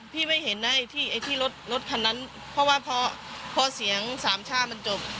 พี่ไม่เห็นที่รถคันนั้นเพราะว่าพอเสียงสามชาติมันจบ